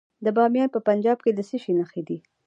د بامیان په پنجاب کې د څه شي نښې دي؟